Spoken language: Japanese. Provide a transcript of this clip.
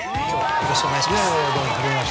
よろしくお願いします。